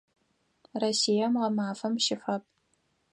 Россием гъэмафэм щыфаб.